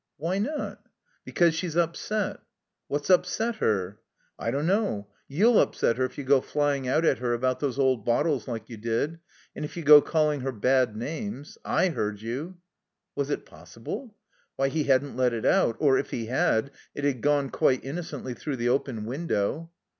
"Why not?" "Because she's upset." "What's upset her?" "I don't know. You'll upset her if you go fljdng out at her about those old bottles like you did; and if you go calling her bad names. I heard you." Was it possible? (Why, he hadn't let it out, or, if he had, it had gone, quite innocently, through the open window.)